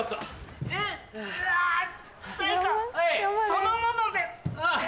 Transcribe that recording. そのもので。